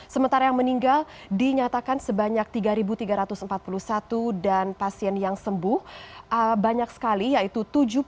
sementara yang meninggal dinyatakan sebanyak tiga tiga ratus empat puluh satu dan pasien yang sembuh banyak sekali yaitu tujuh puluh dua